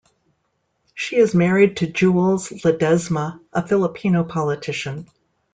She is married to Jules Ledesma, a Filipino politician.